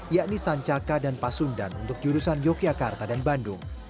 yakni sancaka dan pasundan untuk jurusan yogyakarta dan bandung